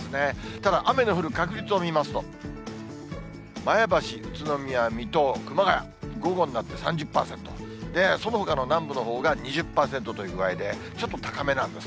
ただ雨の降る確率を見ますと、前橋、宇都宮、水戸、熊谷、午後になると３０％、そのほかの南部のほうが２０％という具合で、ちょっと高めなんです。